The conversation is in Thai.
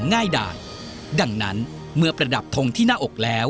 นอกจากนักเตะรุ่นใหม่จะเข้ามาเป็นตัวขับเคลื่อนทีมชาติไทยชุดนี้แล้ว